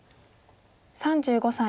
３５歳。